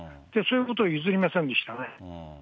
そういうことを譲りませんでしたね。